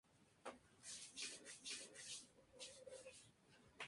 Ghosn es miembro del International Advisory Board del banco brasileño Banco Itaú.